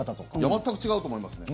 全く違うと思いますね。